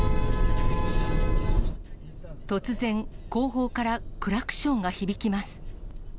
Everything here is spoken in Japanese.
突然、後方からクラクションが響きます。